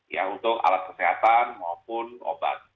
ya untuk alat kesehatan maupun obat